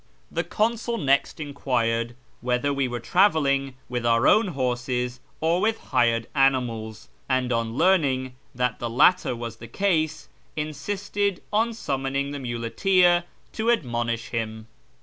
The consul next enquired whether we were travelling with our own horses or with hired animals, and, on learning that the latter was the case, insisted on summoning the muleteer to " admonish " him.